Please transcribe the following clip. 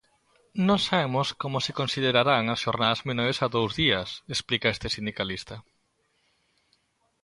"Non sabemos como se considerarán as xornadas menores a dous días", explica este sindicalista.